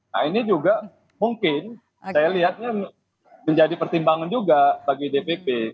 nah ini juga mungkin saya lihatnya menjadi pertimbangan juga bagi dpp